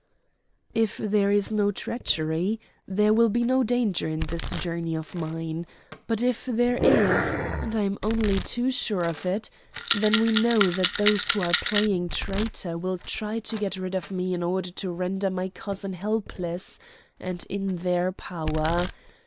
"If there is no treachery there will be no danger in this journey of mine; but if there is, and I am only too sure of it, then we know that those who are playing traitor will try to get rid of me in order to render my cousin helpless and in their power.